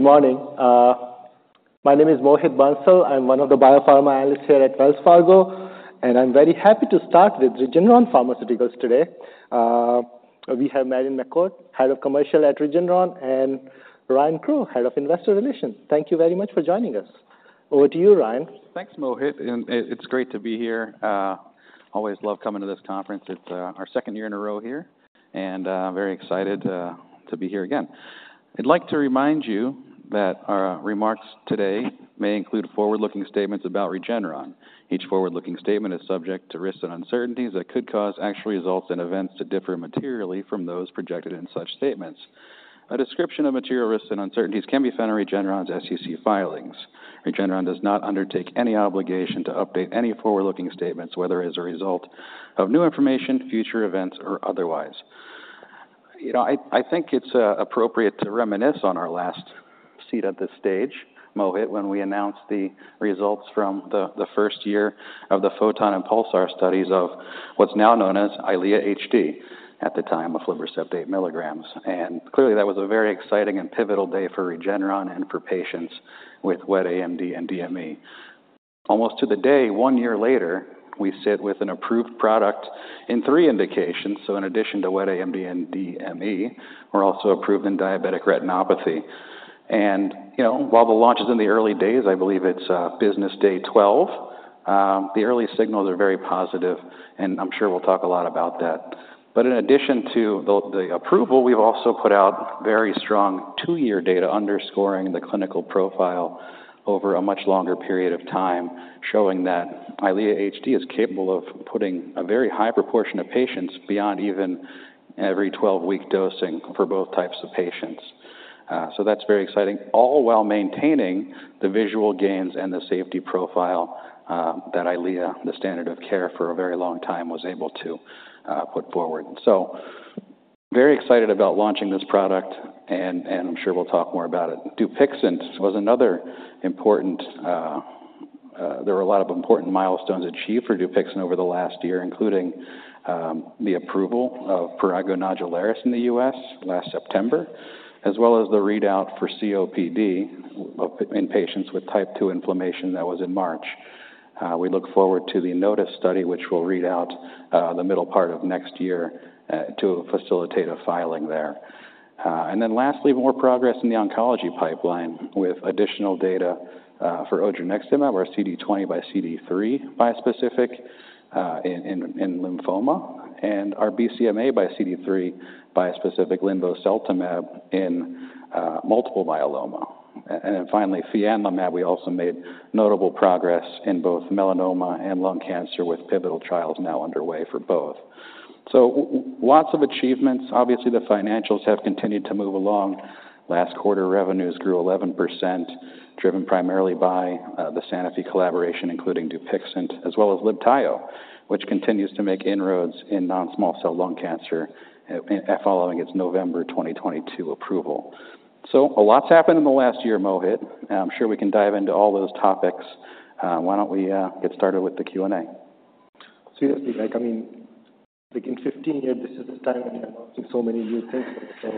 Good morning. My name is Mohit Bansal. I'm one of the biopharma analysts here at Wells Fargo, and I'm very happy to start with Regeneron Pharmaceuticals today. We have Marion McCourt, Head of Commercial at Regeneron, and Ryan Crowe, Head of Investor Relations. Thank you very much for joining us. Over to you, Ryan. Thanks, Mohit, and it's great to be here. Always love coming to this conference. It's our 2nd year in a row here, and very excited to be here again. I'd like to remind you that our remarks today may include forward-looking statements about Regeneron. Each forward-looking statement is subject to risks and uncertainties that could cause actual results and events to differ materially from those projected in such statements. A description of material risks and uncertainties can be found in Regeneron's SEC filings. Regeneron does not undertake any obligation to update any forward-looking statements, whether as a result of new information, future events, or otherwise. You know, I, I think it's appropriate to reminisce on our last seat at this stage, Mohit, when we announced the results from the 1st year of the PHOTON and PULSAR studies of what's now known as EYLEA HD, at the time, of aflibercept 8 milligrams. And clearly, that was a very exciting and pivotal day for Regeneron and for patients with wet AMD and DME. Almost to the day, 1 year later, we sit with an approved product in 3 indications. In addition to wet AMD and DME, we're also approved in diabetic retinopathy. And, you know, while the launch is in the early days, I believe it's business day 12, the early signals are very positive, and I'm sure we'll talk a lot about that. In addition to the approval, we've also put out very strong 2-year data underscoring the clinical profile over a much longer period of time, showing that EYLEA HD is capable of putting a very high proportion of patients beyond even every 12-week dosing for both types of patients. So that's very exciting. All while maintaining the visual gains and the safety profile that EYLEA, the standard of care for a very long time, was able to put forward. So very excited about launching this product, and I'm sure we'll talk more about it. Dupixent was another important. There were a lot of important milestones achieved for Dupixent over the last year, including the approval of prurigo nodularis in the U.S. last September, as well as the readout for COPD in patients with type 2 inflammation. That was in March. We look forward to the NOTUS study, which we'll read out the middle part of next year to facilitate a filing there. And then lastly, more progress in the oncology pipeline, with additional data for odronextamab or CD20 by CD3 bispecific in lymphoma and our BCMA by CD3 bispecific linvoseltamab in multiple myeloma. And then finally, fianlimab, we also made notable progress in both melanoma and lung cancer, with pivotal trials now underway for both. So lots of achievements. Obviously, the financials have continued to move along. Last quarter, revenues grew 11%, driven primarily by the Sanofi collaboration, including Dupixent, as well as Libtayo, which continues to make inroads in non-small cell lung cancer, following its November 2022 approval. A lot's happened in the last year, Mohit, and I'm sure we can dive into all those topics. Why don't we get started with the Q&A? Seriously, like, I mean, like, in 15 years, this is the time we are launching so many new things. So,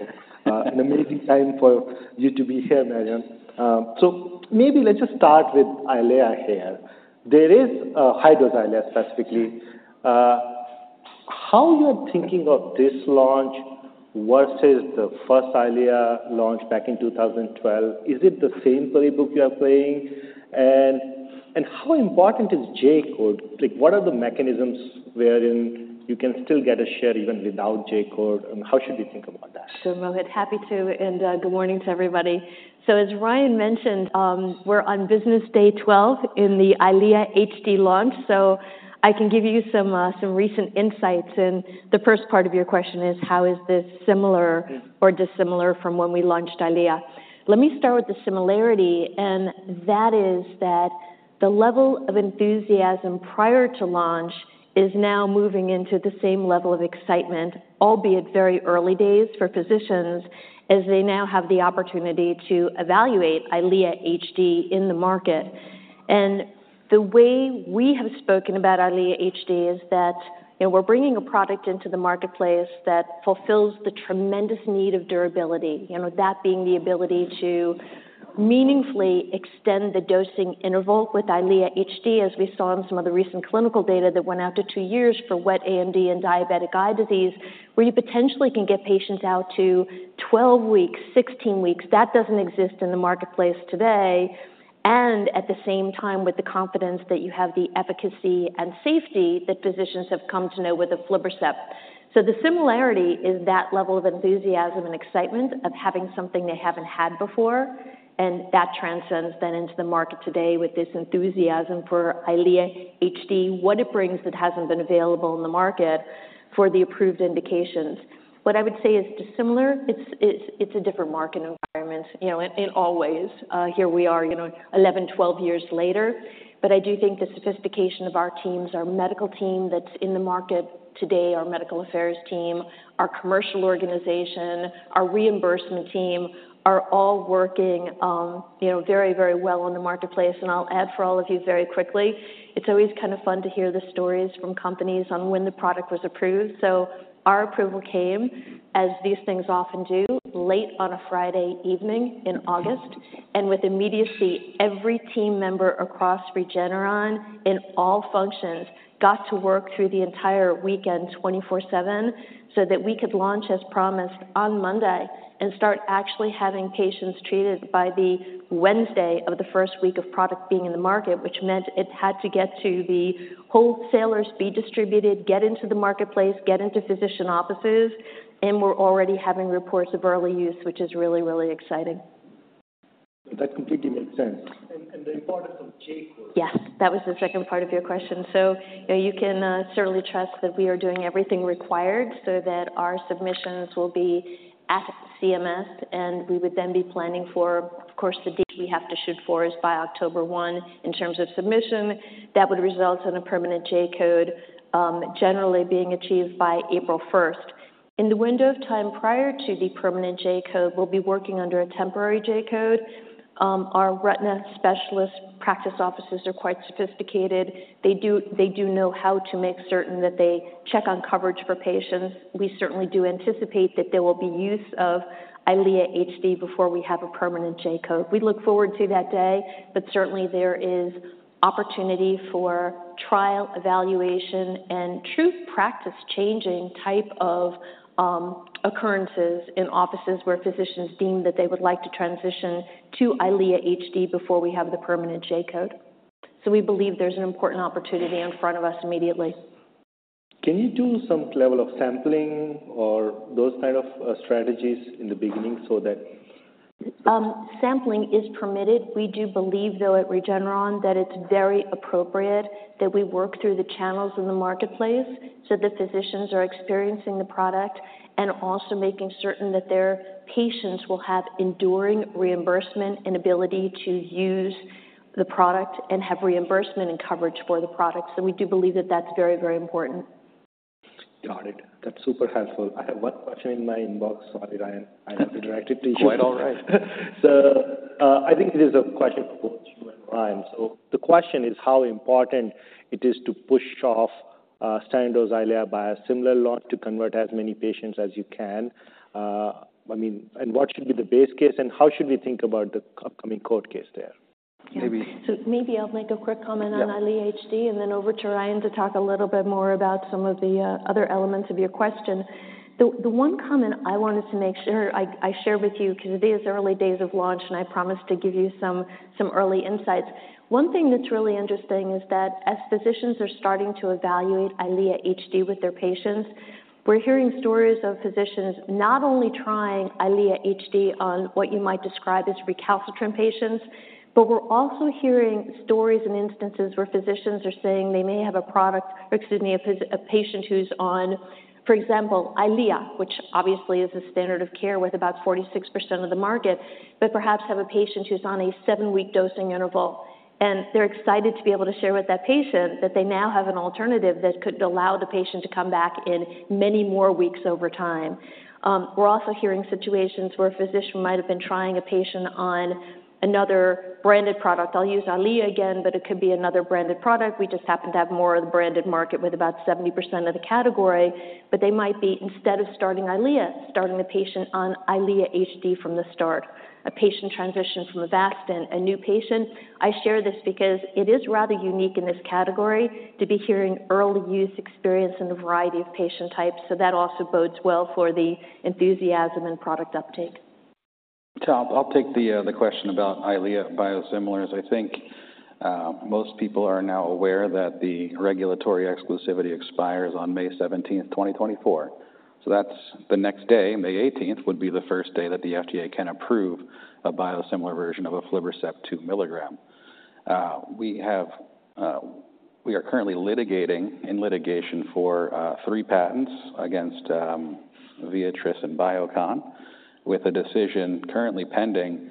an amazing time for you to be here, Marion. So maybe let's just start with EYLEA here. There is, high-dose EYLEA, specifically. How you're thinking of this launch versus the first EYLEA launch back in 2012, is it the same playbook you are playing? And, and how important is J-code? Like, what are the mechanisms wherein you can still get a share even without J-code, and how should we think about that? Mohit, happy to, and good morning to everybody. So as Ryan mentioned, we're on business day 12 in the EYLEA HD launch, so I can give you some recent insights. And the first part of your question is, how is this similar- Yeah or dissimilar from when we launched EYLEA? Let me start with the similarity, and that is that the level of enthusiasm prior to launch is now moving into the same level of excitement, albeit very early days for physicians, as they now have the opportunity to evaluate EYLEA HD in the market. And the way we have spoken about EYLEA HD is that, you know, we're bringing a product into the marketplace that fulfills the tremendous need of durability. You know, that being the ability to meaningfully extend the dosing interval with EYLEA HD, as we saw in some of the recent clinical data that went out to 2 years for wet AMD and diabetic eye disease, where you potentially can get patients out to 12 weeks, 16 weeks. That doesn't exist in the marketplace today and, at the same time, with the confidence that you have the efficacy and safety that physicians have come to know with aflibercept. So the similarity is that level of enthusiasm and excitement of having something they haven't had before, and that transcends then into the market today with this enthusiasm for EYLEA HD, what it brings that hasn't been available in the market for the approved indications. What I would say is dissimilar, it's a different market environment, you know, in all ways. Here we are, you know, 11, 12 years later. But I do think the sophistication of our teams, our medical team that's in the market today, our medical affairs team, our commercial organization, our reimbursement team, are all working, you know, very, very well in the marketplace. I'll add for all of you very quickly, it's always kind of fun to hear the stories from companies on when the product was approved. So our approval came, as these things often do, late on a Friday evening in August, and with immediacy, every team member across Regeneron, in all functions, got to work through the entire weekend, 24/7, so that we could launch as promised on Monday and start actually having patients treated by the Wednesday of the 1st week of product being in the market. Which meant it had to get to the wholesalers, be distributed, get into the marketplace, get into physician offices, and we're already having reports of early use, which is really, really exciting. That completely makes sense. And the importance of J-code. Yes, that was the second part of your question. So you can certainly trust that we are doing everything required so that our submissions will be at CMS, and we would then be planning for... Of course, the date we have to shoot for is by October 1 in terms of submission. That would result in a permanent J-code, generally being achieved by April 1. In the window of time prior to the permanent J-code, we'll be working under a temporary J-code. Our retina specialist practice offices are quite sophisticated. They do, they do know how to make certain that they check on coverage for patients. We certainly do anticipate that there will be use of EYLEA HD before we have a permanent J-code. We look forward to that day, but certainly there is opportunity for trial, evaluation, and true practice-changing type of occurrences in offices where physicians deem that they would like to transition to EYLEA HD before we have the permanent J-code. So we believe there's an important opportunity in front of us immediately. Can you do some level of sampling or those kind of strategies in the beginning so that- Sampling is permitted. We do believe, though, at Regeneron, that it's very appropriate that we work through the channels in the marketplace so that physicians are experiencing the product and also making certain that their patients will have enduring reimbursement and ability to use the product and have reimbursement and coverage for the product. So we do believe that that's very, very important. Got it. That's super helpful. I have 1 question in my inbox. Sorry, Ryan. I have to direct it to you. Quite all right. I think it is a question for both you and Ryan. So the question is: How important it is to push off standard EYLEA by a biosimilar launch to convert as many patients as you can? I mean, and what should be the base case, and how should we think about the upcoming court case there? Maybe- Maybe I'll make a quick comment on- Yeah EYLEA HD and then over to Ryan to talk a little bit more about some of the other elements of your question. The 1 comment I wanted to make sure I shared with you, because it is early days of launch, and I promised to give you some early insights. One thing that's really interesting is that as physicians are starting to evaluate EYLEA HD with their patients, we're hearing stories of physicians not only trying EYLEA HD on what you might describe as recalcitrant patients, but we're also hearing stories and instances where physicians are saying they may have a product... Or, excuse me, a patient who's on, for example, EYLEA, which obviously is the standard of care with about 46% of the market, but perhaps have a patient who's on a 7-week dosing interval, and they're excited to be able to share with that patient that they now have an alternative that could allow the patient to come back in many more weeks over time. We're also hearing situations where a physician might have been trying a patient on another branded product. I'll use EYLEA again, but it could be another branded product. We just happen to have more of the branded market with about 70% of the category, but they might be, instead of starting EYLEA, starting the patient on EYLEA HD from the start, a patient transition from Avastin, a new patient. I share this because it is rather unique in this category to be hearing early use experience in a variety of patient types, so that also bodes well for the enthusiasm and product uptake. I'll take the question about EYLEA biosimilars. I think most people are now aware that the regulatory exclusivity expires on May 17th, 2024. So that's the next day, May 18th, would be the 1st day that the FDA can approve a biosimilar version of aflibercept 2 mg. We are currently litigating 3 patents against Viatris and Biocon, with a decision currently pending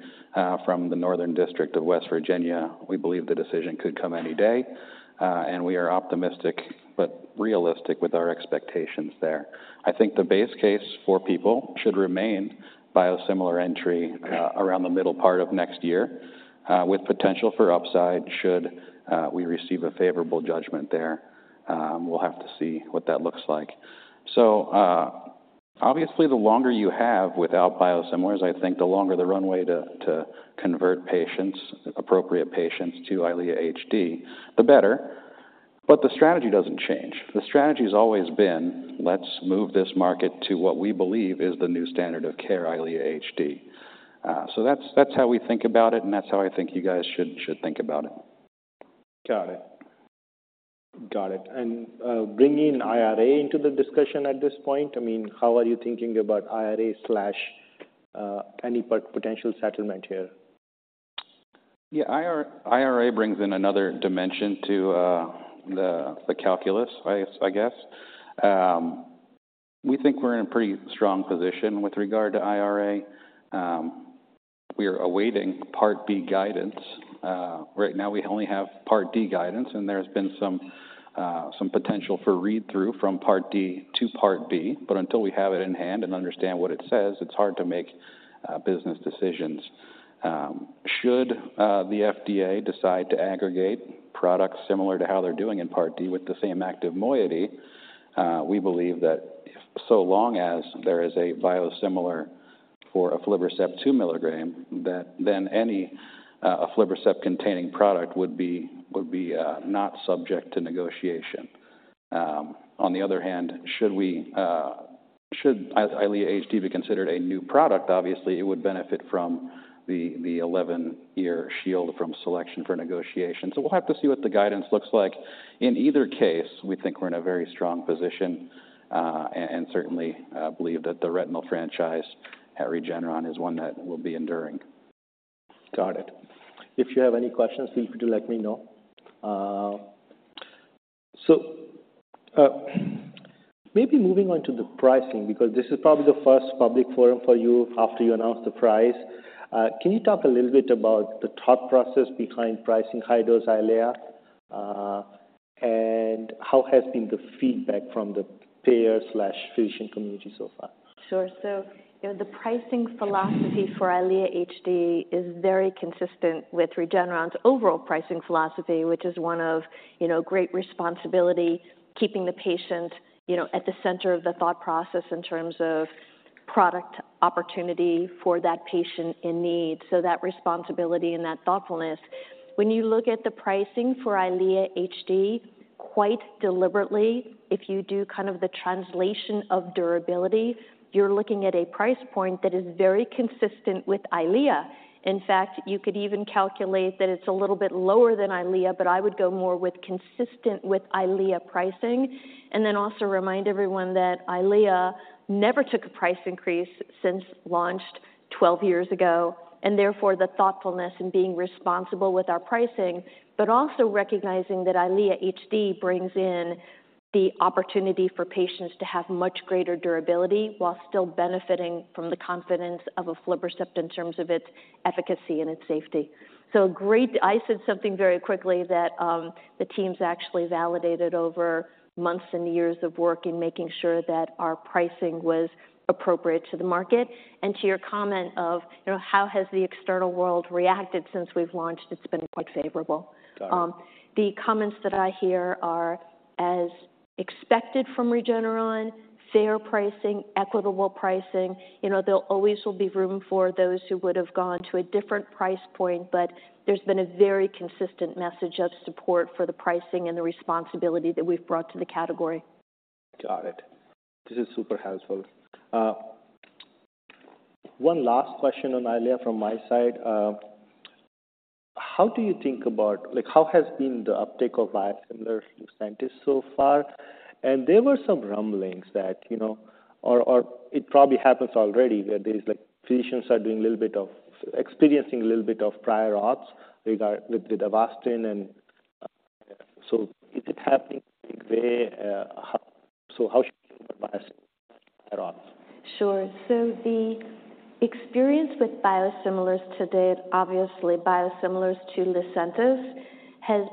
from the Northern District of West Virginia. We believe the decision could come any day, and we are optimistic but realistic with our expectations there. I think the base case for people should remain biosimilar entry around the middle part of next year, with potential for upside should we receive a favorable judgment there. We'll have to see what that looks like. Obviously, the longer you have without biosimilars, I think the longer the runway to convert patients, appropriate patients to EYLEA HD, the better, but the strategy doesn't change. The strategy has always been: Let's move this market to what we believe is the new standard of care, EYLEA HD. So that's how we think about it, and that's how I think you guys should think about it. Got it. Got it, and bringing IRA into the discussion at this point, I mean, how are you thinking about IRA slash any potential settlement here? IRA brings in another dimension to the calculus, I guess. We think we're in a pretty strong position with regard to IRA. We are awaiting Part B guidance. Right now we only have Part D guidance, and there's been some potential for read-through from Part D to Part B, but until we have it in hand and understand what it says, it's hard to make business decisions. Should the FDA decide to aggregate products similar to how they're doing in Part D with the same active moiety, we believe that so long as there is a biosimilar for aflibercept 2 mg, that then any aflibercept-containing product would be not subject to negotiation. On the other hand, should we should EYLEA HD be considered a new product, obviously it would benefit from the 11-year shield from selection for negotiation. So we'll have to see what the guidance looks like. In either case, we think we're in a very strong position, and certainly believe that the retinal franchise at Regeneron is 1 that will be enduring. Got it. If you have any questions, feel free to let me know. So, maybe moving on to the pricing, because this is probably the first public forum for you after you announced the price. Can you talk a little bit about the thought process behind pricing high-dose EYLEA? And how has been the feedback from the payer/physician community so far? Sure. The pricing philosophy for EYLEA HD is very consistent with Regeneron's overall pricing philosophy, which is one of, you know, great responsibility, keeping the patient, you know, at the center of the thought process in terms of product opportunity for that patient in need. So that responsibility and that thoughtfulness. When you look at the pricing for EYLEA HD, quite deliberately, if you do kind of the translation of durability, you're looking at a price point that is very consistent with EYLEA. In fact, you could even calculate that it's a little bit lower than EYLEA, but I would go more with consistent with EYLEA pricing. And then also remind everyone that EYLEA never took a price increase since launched 12 years ago, and therefore, the thoughtfulness in being responsible with our pricing. Also recognizing that EYLEA HD brings in the opportunity for patients to have much greater durability while still benefiting from the confidence of aflibercept in terms of its efficacy and its safety. So great... I said something very quickly, that, the teams actually validated over months and years of work in making sure that our pricing was appropriate to the market. And to your comment of, you know, how has the external world reacted since we've launched, it's been quite favorable. Got it. The comments that I hear are as expected from Regeneron, fair pricing, equitable pricing. You know, there'll always be room for those who would have gone to a different price point, but there's been a very consistent message of support for the pricing and the responsibility that we've brought to the category. Got it. This is super helpful. 1 last question on EYLEA from my side. How do you think about... Like, how has been the uptake of biosimilar Lucentis so far? And there were some rumblings that, you know, it probably happens already, where there's, like, physicians are doing a little bit of—experiencing a little bit of prior auth regard... With Avastin and... So is it happening big way? So how should auth? Sure. The experience with biosimilars to date, obviously biosimilars to Lucentis, has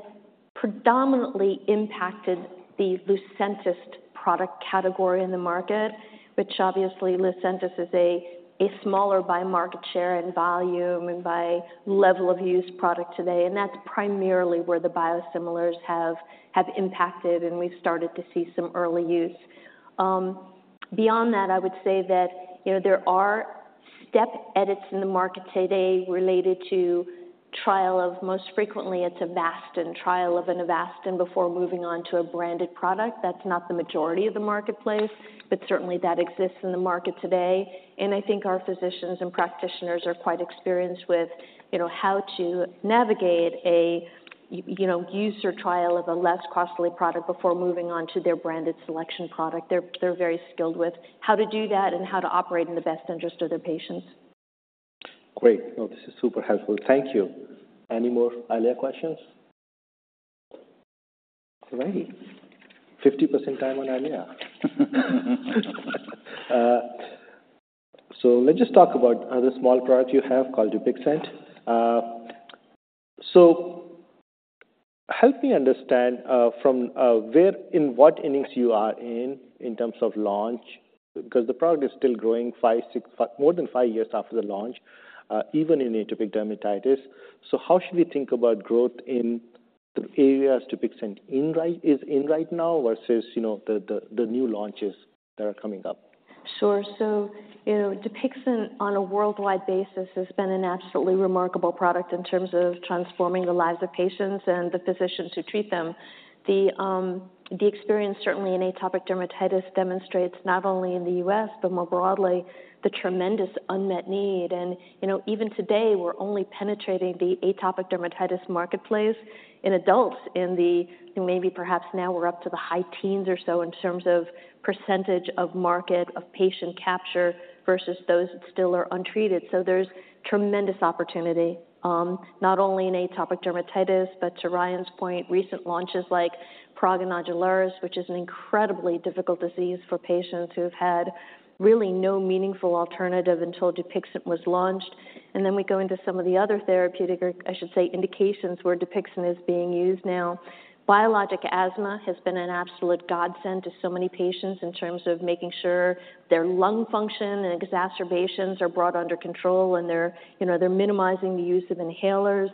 predominantly impacted the Lucentis product category in the market, which obviously Lucentis is a smaller by market share and volume and by level of use product today, and that's primarily where the biosimilars have impacted, and we've started to see some early use. Beyond that, I would say that, you know, there are step edits in the market today related to trial of, most frequently, it's Avastin, trial of an Avastin before moving on to a branded product. That's not the majority of the marketplace, but certainly that exists in the market today. And I think our physicians and practitioners are quite experienced with, you know, how to navigate a you know, use or trial of a less costly product before moving on to their branded selection product. They're very skilled with how to do that and how to operate in the best interest of their patients. Great. No, this is super helpful. Thank you. Any more EYLEA questions? Great, 50% time on EYLEA. So let's just talk about other small product you have called Dupixent. So help me understand, from where in what innings you are in, in terms of launch, because the product is still growing 5, 6, more than 5 years after the launch, even in atopic dermatitis. So how should we think about growth in the areas Dupixent is in right now versus, you know, the new launches that are coming up? Sure. Dupixent on a worldwide basis has been an absolutely remarkable product in terms of transforming the lives of patients and the physicians who treat them. The experience, certainly in atopic dermatitis, demonstrates not only in the US, but more broadly, the tremendous unmet need. And, you know, even today, we're only penetrating the atopic dermatitis marketplace in adults, in the - maybe perhaps now we're up to the high teens or so in terms of percentage of market, of patient capture versus those that still are untreated. So there's tremendous opportunity, not only in atopic dermatitis, but to Ryan's point, recent launches like prurigo nodularis, which is an incredibly difficult disease for patients who have had really no meaningful alternative until Dupixent was launched. And then we go into some of the other therapeutic, or I should say, indications where Dupixent is being used now. Biologic asthma has been an absolute godsend to so many patients in terms of making sure their lung function and exacerbations are brought under control, and they're, you know, they're minimizing the use of inhalers.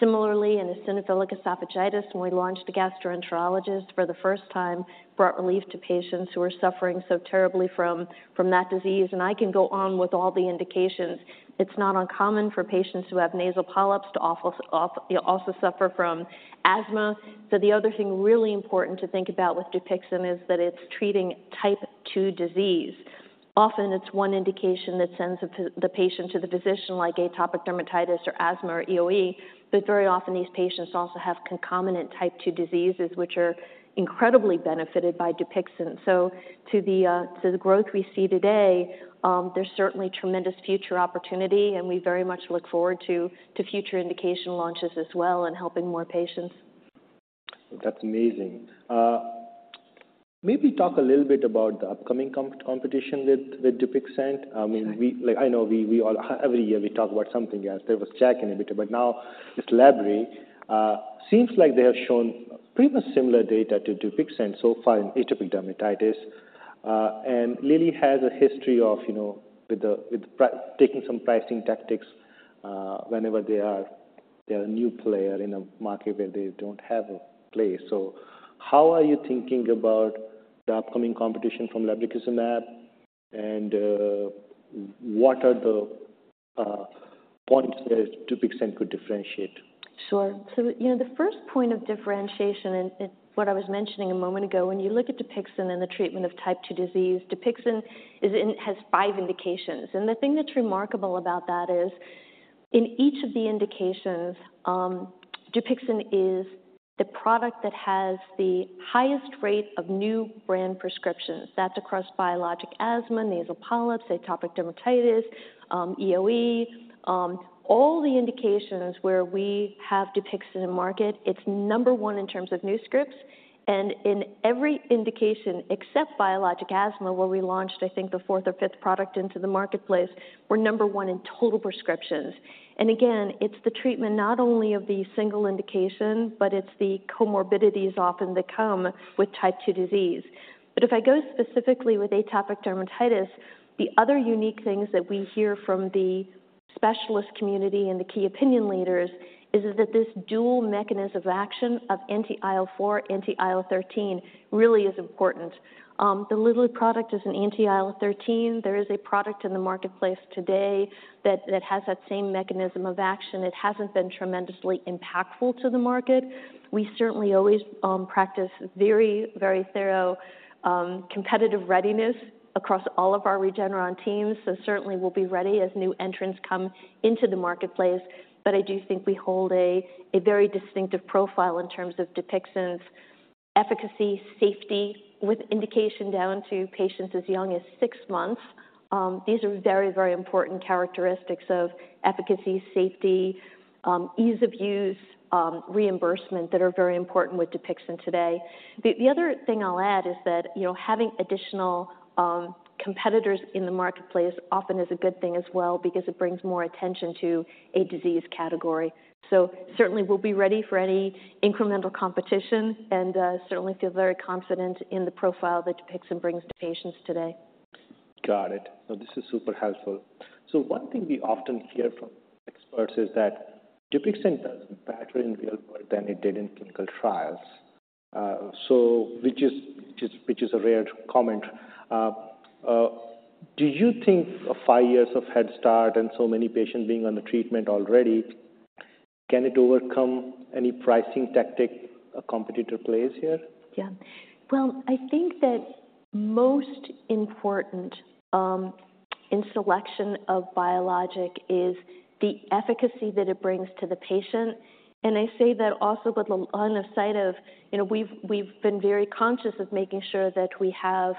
Similarly, in eosinophilic esophagitis, when we launched a gastroenterologist for the first time, brought relief to patients who are suffering so terribly from that disease, and I can go on with all the indications. It's not uncommon for patients who have nasal polyps to also suffer from asthma. So the other thing really important to think about with Dupixent is that it's treating type 2 disease. Often it's 1 indication that sends the patient to the physician, like atopic dermatitis or asthma or EOE. Very often these patients also have concomitant type 2 diseases, which are incredibly benefited by Dupixent. So to the growth we see today, there's certainly tremendous future opportunity, and we very much look forward to future indication launches as well and helping more patients. That's amazing. Maybe talk a little bit about the upcoming competition with Dupixent. Sure. I mean, we. Like, I know we all, every year, we talk about something else. There was JAK inhibitor, but now it's lebrikizumab. Seems like they have shown pretty much similar data to Dupixent so far in atopic dermatitis. And Lilly has a history of, you know, with price taking some pricing tactics, whenever they are, they're a new player in a market where they don't have a place. So how are you thinking about the upcoming competition from lebrikizumab, and what are the points that Dupixent could differentiate? Sure. The first point of differentiation and what I was mentioning a moment ago, when you look at Dupixent and the treatment of type 2 disease, Dupixent is in... has 5 indications. And the thing that's remarkable about that is, in each of the indications, Dupixent is the product that has the highest rate of new brand prescriptions. That's across biologic asthma, nasal polyps, atopic dermatitis, EOE. All the indications where we have Dupixent in the market, it's number 1 in terms of new scripts, and in every indication, except biologic asthma, where we launched, I think, the 4rth or 5th product into the marketplace, we're number 1 in total prescriptions. And again, it's the treatment not only of the single indication, but it's the comorbidities often that come with type 2 disease. If I go specifically with atopic dermatitis, the other unique things that we hear from the specialist community and the key opinion leaders is that this dual mechanism of action of anti-IL-4, anti-IL-13, really is important. The Lilly product is an anti-IL-13. There is a product in the marketplace today that has that same mechanism of action. It hasn't been tremendously impactful to the market. We certainly always practice very, very thorough competitive readiness across all of our Regeneron teams. So certainly we'll be ready as new entrants come into the marketplace. But I do think we hold a very distinctive profile in terms of Dupixent's efficacy, safety, with indication down to patients as young as 6 months. These are very, very important characteristics of efficacy, safety, ease of use, reimbursement, that are very important with Dupixent today. The other thing I'll add is that, you know, having additional competitors in the marketplace often is a good thing as well because it brings more attention to a disease category. So certainly we'll be ready for any incremental competition and certainly feel very confident in the profile that Dupixent brings to patients today. Got it. This is super helpful. So one thing we often hear from experts is that Dupixent does better in real world than it did in clinical trials, so which is a rare comment. Do you think 5 years of head start and so many patients being on the treatment already can overcome any pricing tactic a competitor plays here? Yeah. Well, I think that most important in selection of biologic is the efficacy that it brings to the patient. And I say that also with on the side of, you know, we've, we've been very conscious of making sure that we have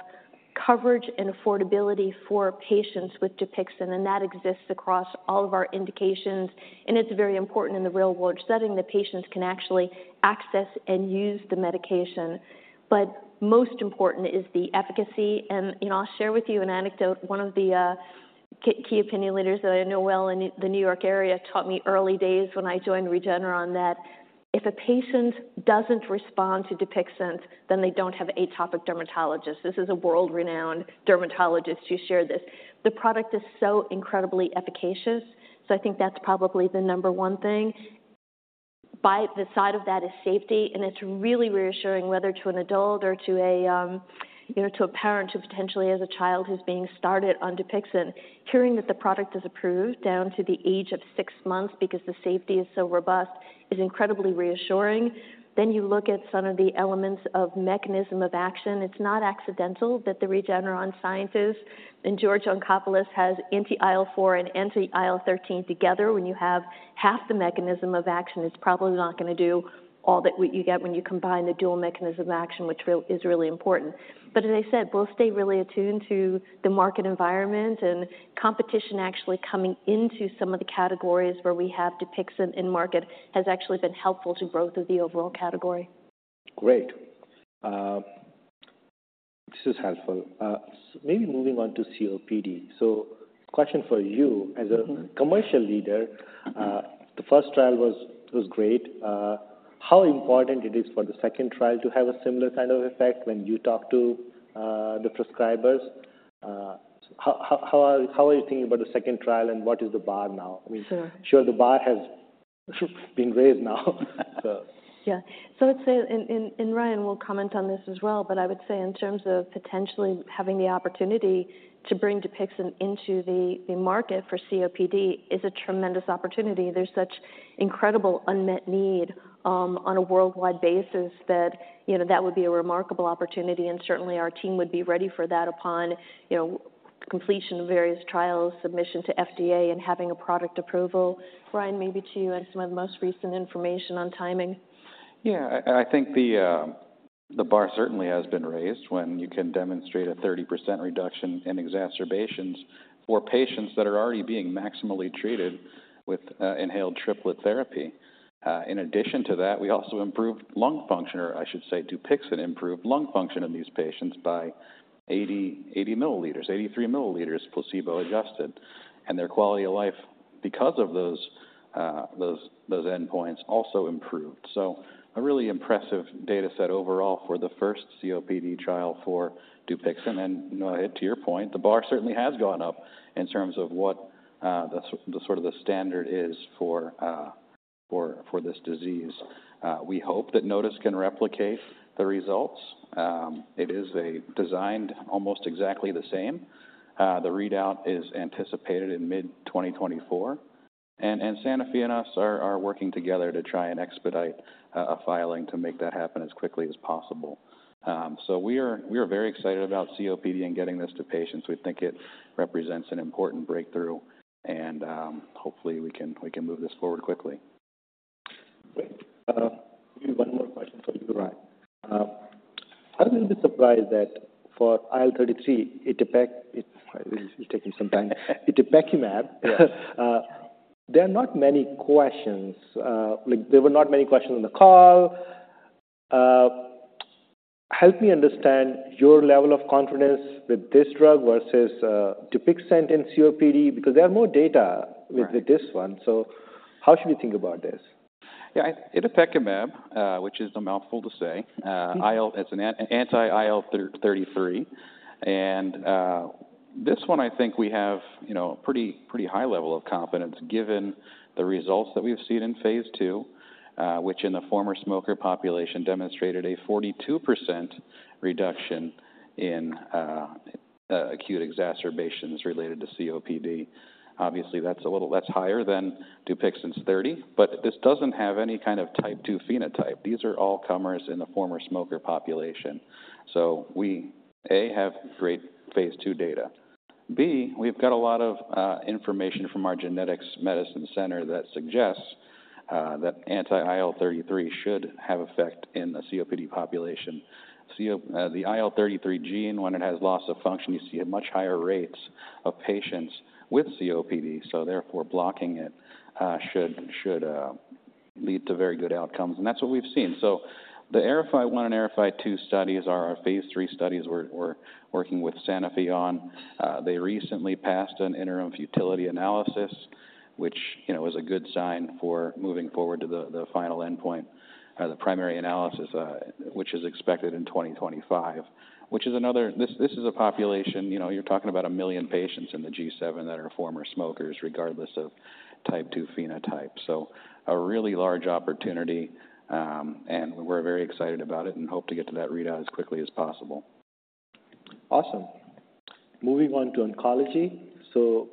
coverage and affordability for patients with Dupixent, and that exists across all of our indications, and it's very important in the real world, studying the patients can actually access and use the medication. But most important is the efficacy. And, you know, I'll share with you an anecdote. One of the key, key opinion leaders that I know well in the New York area taught me early days when I joined Regeneron, that if a patient doesn't respond to Dupixent, then they don't have atopic dermatitis. This is a world-renowned dermatologist who shared this. The product is so incredibly efficacious, so I think that's probably the number 1 thing. By the side of that is safety, and it's really reassuring, whether to an adult or to a, you know, to a parent who potentially has a child who's being started on Dupixent. Hearing that the product is approved down to the age of 6 months because the safety is so robust is incredibly reassuring. Then you look at some of the elements of mechanism of action. It's not accidental that the Regeneron scientists and George Yancopoulos has anti-IL-4 and anti-IL-13 together. When you have half the mechanism of action, it's probably not gonna do all that what you get when you combine the dual mechanism of action, which is really important. As I said, we'll stay really attuned to the market environment and competition actually coming into some of the categories where we have Dupixent in market, has actually been helpful to growth of the overall category. Great. This is helpful. Maybe moving on to COPD. So question for you- Mm-hmm. As a commercial leader, the 1st trial was great. How important is it for the 2nd trial to have a similar kind of effect when you talk to the prescribers? How are you thinking about the 2nd trial, and what is the bar now? Sure. I mean, sure, the bar has been raised now, so. Yeah. I'd say, and Ryan will comment on this as well, but I would say in terms of potentially having the opportunity to bring Dupixent into the market for COPD is a tremendous opportunity. There's such incredible unmet need on a worldwide basis that, you know, that would be a remarkable opportunity, and certainly our team would be ready for that upon, you know, completion of various trials, submission to FDA, and having a product approval. Ryan, maybe to you and some of the most recent information on timing. Yeah, I think the bar certainly has been raised when you can demonstrate a 30% reduction in exacerbations for patients that are already being maximally treated with inhaled triplet therapy. In addition to that, we also improved lung function, or I should say, Dupixent improved lung function in these patients by 80, 80 milliliters, 83 milliliters, placebo adjusted. And their quality of life, because of those endpoints, also improved. So a really impressive data set overall for the 1st COPD trial for Dupixent. And, you know, to your point, the bar certainly has gone up in terms of what the sort of the standard is for this disease. We hope that NOTUS can replicate the results. It is designed almost exactly the same. The readout is anticipated in mid-2024, and Sanofi and us are working together to try and expedite a filing to make that happen as quickly as possible. So we are very excited about COPD and getting this to patients. We think it represents an important breakthrough, and hopefully we can move this forward quickly. Great. Maybe 1 more question for you, Ryan. I'm a little bit surprised that for IL-33, itepekimab. It's taking some time. Yes. There are not many questions. Like, there were not many questions on the call. Help me understand your level of confidence with this drug versus Dupixent in COPD, because there are more data- Right with this one, so how should we think about this? Yeah, itepekimab, which is a mouthful to say. Mm-hmm. It's an anti-IL-33, and this one, I think we have, you know, a pretty, pretty high level of confidence given the results that we've seen in phase II, which in the former smoker population demonstrated a 42% reduction in acute exacerbations related to COPD. Obviously, that's a little higher than Dupixent's 30, but this doesn't have any kind of type 2 phenotype. These are all comers in the former smoker population. So we, A, have great phase II data. B, we've got a lot of information from our genetics medicine center that suggests that anti-IL-33 should have effect in the COPD population. The IL-33 gene, when it has loss of function, you see much higher rates of patients with COPD, so therefore, blocking it should lead to very good outcomes, and that's what we've seen. The AERIFY-1 and AERIFY-2 studies are our phase III studies we're working with Sanofi on. They recently passed an interim futility analysis, which, you know, is a good sign for moving forward to the final endpoint, the primary analysis, which is expected in 2025. This is a population, you know, you're talking about 1 million patients in the G7 that are former smokers, regardless of type 2 phenotype. So a really large opportunity, and we're very excited about it and hope to get to that readout as quickly as possible. Awesome. Moving on to oncology. So,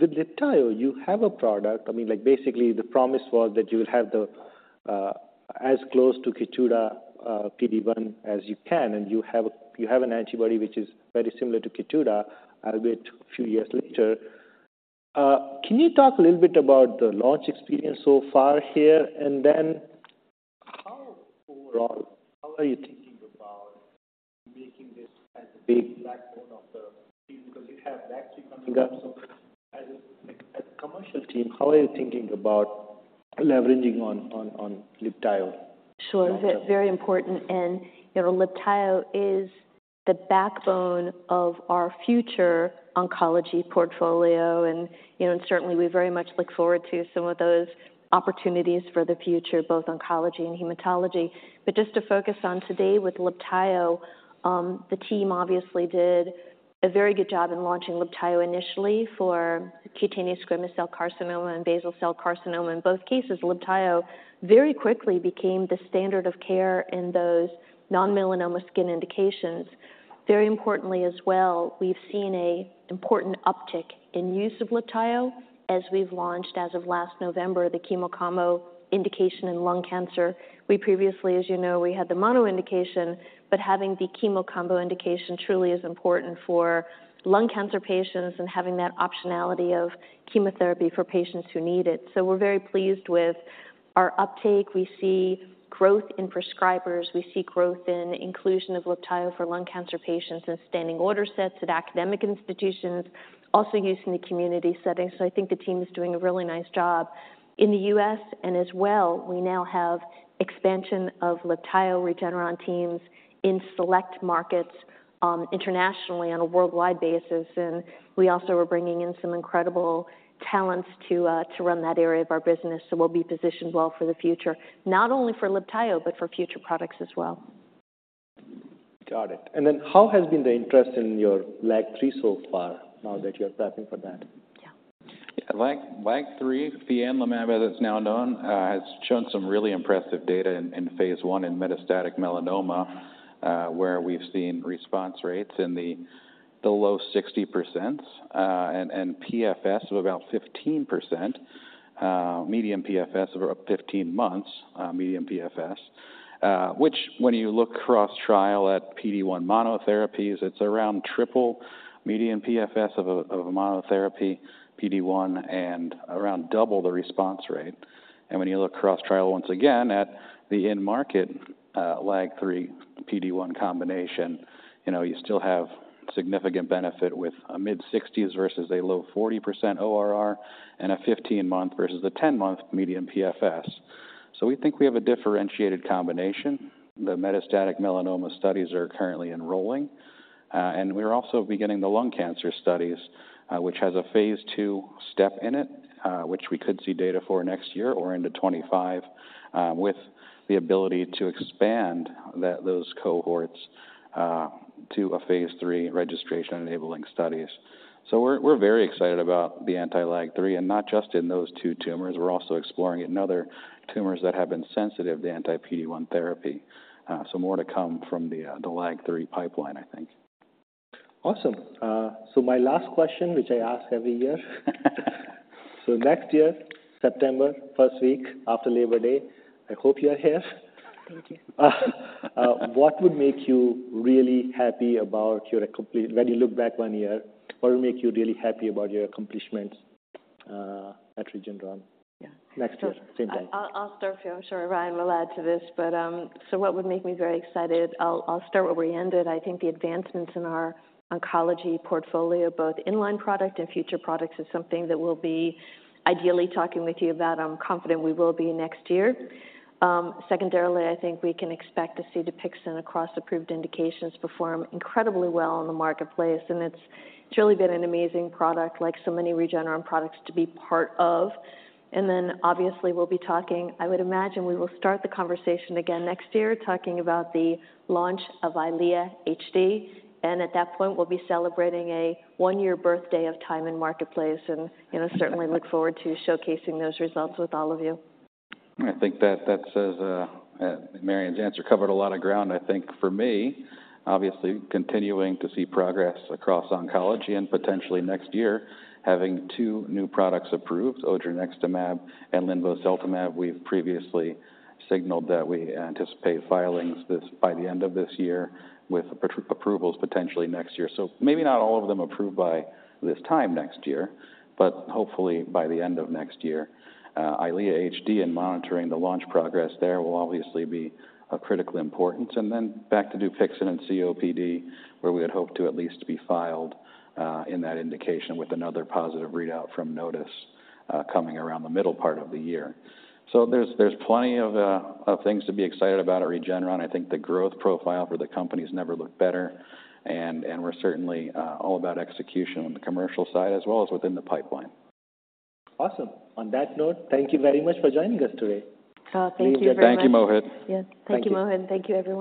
with Libtayo, you have a product. I mean, like, basically, the promise was that you will have the, as close to Keytruda PD-1 as you can, and you have, you have an antibody, which is very similar to Keytruda, a little bit, few years later. Can you talk a little bit about the launch experience so far here? And then how, overall, how are you thinking about making this as a big backbone of the team? Because you have that, so as a commercial team, how are you thinking about leveraging on Libtayo? Sure. Very important, and, you know, Libtayo is the backbone of our future oncology portfolio, and, you know, and certainly we very much look forward to some of those opportunities for the future, both oncology and hematology. But just to focus on today with Libtayo, the team obviously did a very good job in launching Libtayo initially for cutaneous squamous cell carcinoma and basal cell carcinoma. In both cases, Libtayo very quickly became the standard of care in those non-melanoma skin indications. Very importantly as well, we've seen a important uptick in use of Libtayo as we've launched, as of last November, the chemo combo indication in lung cancer. We previously, as you know, we had the mono indication, but having the chemo combo indication truly is important for lung cancer patients and having that optionality of chemotherapy for patients who need it. We're very pleased with our uptake. We see growth in prescribers. We see growth in inclusion of Libtayo for lung cancer patients, and standing order sets at academic institutions, also use in the community settings. So I think the team is doing a really nice job in the U.S., and as well, we now have expansion of Libtayo Regeneron teams in select markets, internationally on a worldwide basis. And we also are bringing in some incredible talents to run that area of our business. So we'll be positioned well for the future, not only for Libtayo, but for future products as well. Got it. And then how has been the interest in your LAG-3 so far, now that you're testing for that? Yeah. LAG-3, fianlimab, as it's now known, has shown some really impressive data in phase I in metastatic melanoma, where we've seen response rates in the low 60%, and PFS of about 15 months, median PFS of around 15 months. Which when you look cross-trial at PD-1 monotherapies, it's around triple median PFS of a monotherapy PD-1 and around double the response rate. And when you look cross-trial once again at the end market, LAG-3 PD-1 combination, you know, you still have significant benefit with a mid-60s versus a low 40% ORR and a 15-month versus a 10-month median PFS. So we think we have a differentiated combination. The metastatic melanoma studies are currently enrolling, and we're also beginning the lung cancer studies, which has a phase II step in it, which we could see data for next year or into 2025, with the ability to expand that those cohorts, to a phase III registration-enabling studies. So we're, we're very excited about the anti-LAG-3, and not just in those 2 tumors. We're also exploring it in other tumors that have been sensitive to anti-PD-1 therapy. So more to come from the LAG-3 pipeline, I think. Awesome. So my last question, which I ask every year. So next year, September, 1st week after Labor Day, I hope you are here. Thank you. What would make you really happy about your accomplishments when you look back 1 year, what would make you really happy about your accomplishments at Regeneron? Yeah. Next year, same time. I'll, I'll start here. I'm sure Ryan will add to this, but, so what would make me very excited? I'll, I'll start where we ended. I think the advancements in our oncology portfolio, both in-line product and future products, is something that we'll be ideally talking with you about, I'm confident we will be next year. Secondarily, I think we can expect to see Dupixent across approved indications perform incredibly well in the marketplace, and it's truly been an amazing product, like so many Regeneron products, to be part of. And then obviously we'll be talking... I would imagine we will start the conversation again next year, talking about the launch of EYLEA HD, and at that point, we'll be celebrating a 1-year birthday of time in marketplace and - you know, certainly look forward to showcasing those results with all of you. I think that says Marion's answer covered a lot of ground. I think for me, obviously, continuing to see progress across oncology and potentially next year, having 2 new products approved, odronextamab and linvoseltamab. We've previously signaled that we anticipate filings this year by the end of this year, with approvals potentially next year. So maybe not all of them approved by this time next year, but hopefully by the end of next year. EYLEA HD and monitoring the launch progress there will obviously be of critical importance. And then back to Dupixent and COPD, where we had hoped to at least be filed in that indication with another positive readout from NOTUS coming around the middle part of the year. So there's plenty of things to be excited about at Regeneron. I think the growth profile for the company's never looked better, and we're certainly all about execution on the commercial side, as well as within the pipeline. Awesome. On that note, thank you very much for joining us today. Oh, thank you very much. Thank you, Mohit. Yes. Thank you. Thank you, Mohit. Thank you, everyone.